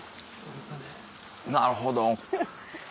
なるほど。